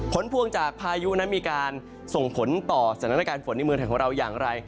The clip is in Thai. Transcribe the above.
พวงจากพายุนั้นมีการส่งผลต่อสถานการณ์ฝนในเมืองไทยของเราอย่างไร